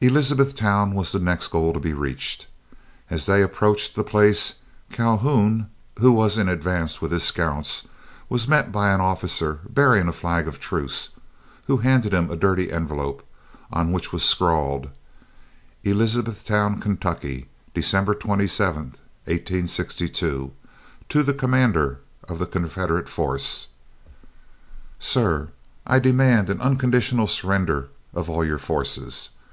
Elizabethtown was the next goal to be reached. As they approached the place, Calhoun, who was in advance with his scouts, was met by an officer bearing a flag of truce, who handed him a dirty envelope, on which was scrawled: ELIZABETHTOWN, KY., December 27, 1862. To the Commander of the Confederate Force. Sir: I demand an unconditional surrender of all of your forces.